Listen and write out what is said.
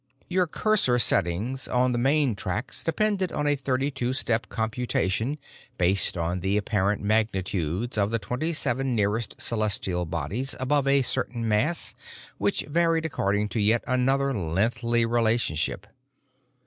Your cursor settings on the main tracks depended on a thirty two step computation based on the apparent magnitudes of the twenty seven nearest celestial bodies above a certain mass which varied according to yet another lengthy relationship.